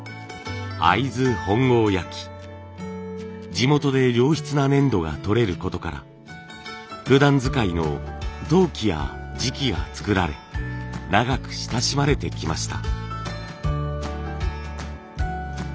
地元で良質な粘土がとれることからふだん使いの陶器や磁器が作られ長く親しまれてきました。